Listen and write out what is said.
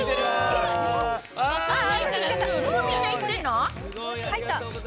もうみんな行ったんだ。